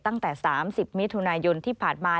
ตั้งแต่๓๐มิถุนายนที่ผ่านมา